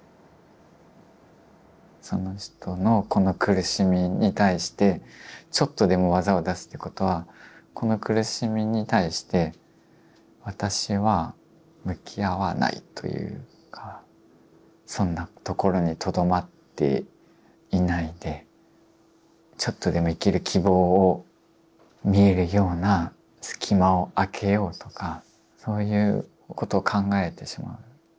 その人のこの苦しみに対してちょっとでも技を出すっていうことはこの苦しみに対して私は向き合わないというかそんなところにとどまっていないでちょっとでも生きる希望を見えるような隙間をあけようとかそういうことを考えてしまう。